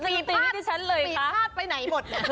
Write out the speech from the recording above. พี่ผายไปไหนหมด